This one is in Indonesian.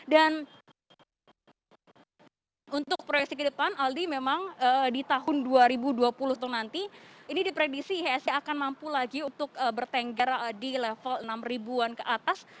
dan untuk proyeksi kehidupan aldi memang di tahun dua ribu dua puluh itu nanti ini dipredisi ihsd akan mampu lagi untuk bertengger di level enam ribu an ke atas